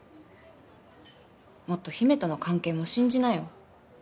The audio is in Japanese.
もっと姫との関係も信じなよ。